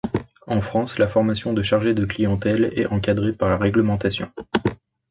En France, la formation de chargé de clientèle est encadrée par la réglementation.